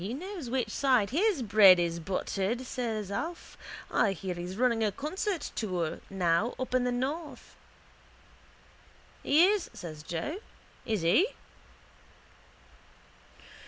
—He knows which side his bread is buttered, says Alf. I hear he's running a concert tour now up in the north. —He is, says Joe. Isn't he?